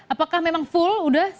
apakah memang full udah